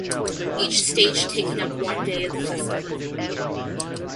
Each stage taking up one day of the festival.